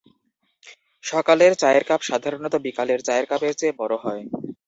সকালের চায়ের কাপ সাধারণত বিকালের চায়ের কাপের চেয়ে বড় হয়।